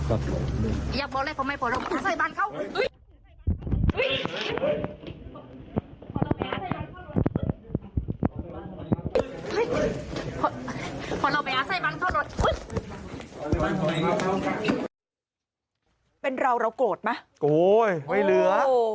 โอ้วไม่เหลือ